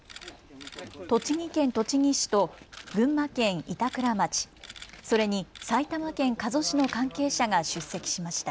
栃木県栃木市と群馬県板倉町、それに、埼玉県加須市の関係者が出席しました。